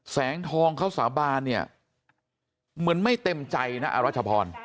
แสงทองเขาสาบานเนี่ยเหมือนไม่เต็มใจนะอรัชพร